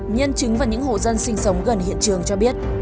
nhân chứng và những hộ dân sinh sống gần hiện trường cho biết